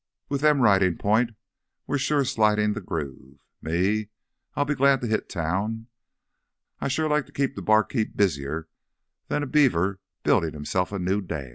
With them ridin' point we're sure slidin' th' groove. Me, I'll be glad to hit town. I'd shore like to keep th' barkeep busier than a beaver buildin' hisself a new dam.